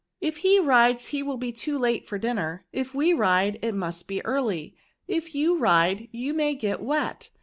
If he ride, he will be too late for dinner. If we ride, it must be early. If you ride, you may get wet.